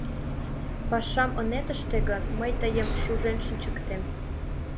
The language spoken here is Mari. Пашам ынет ыште гын, мый тыйым шужен шинчыктем.